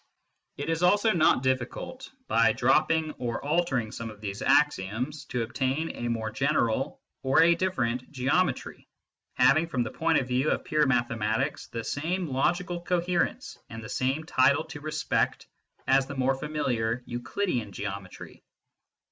It is also not difficult, by dropping or altering some of these axioms, to obtain a more general or a different geometry, having, from the point of view of pure mathematics, the same logical coherence and the same title to respect as the more familiar Euclidean geometry.